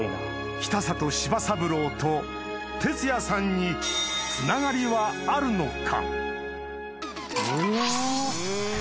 ・北里柴三郎と鉄矢さんにつながりはあるのか？